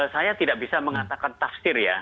saya tidak bisa mengatakan tafsir ya